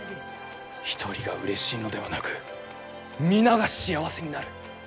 一人がうれしいのではなく皆が幸せになる。